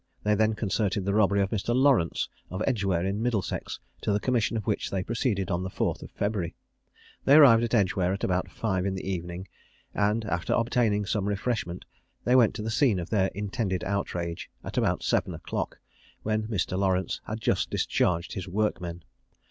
They then concerted the robbery of Mr. Lawrence, of Edgeware, in Middlesex, to the commission of which they proceeded on the 4th February. They arrived at Edgeware at about five in the evening, and, after obtaining some refreshment, they went to the scene of their intended outrage at about seven o'clock, when Mr. Lawrence had just discharged his workmen.